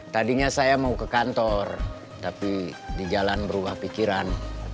tadinya saya mau ke kantor tapi di jalan berubah pikiran